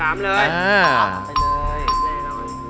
ไปเลยแน่นอน